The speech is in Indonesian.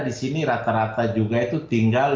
di sini rata rata juga itu tinggal